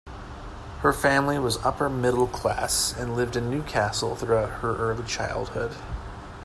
Her family was upper-middle-class and lived in Newcastle throughout her early childhood.